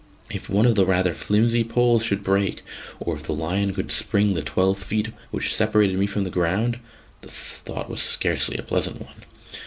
If one of the rather flimsy poles should break, or if the lion could spring the twelve feet which separated me from the ground ... the thought was scarcely a pleasant one.